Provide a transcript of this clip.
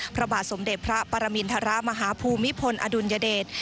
พระบาทสมเด็จพระปรมินทรมาฮภูมิพลอดุลยเดช